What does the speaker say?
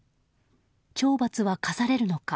懲罰は科されるのか。